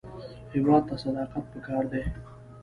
هېواد ته صداقت پکار دی